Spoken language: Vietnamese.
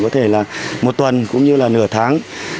có thể là một tuần cũng như là nửa tháng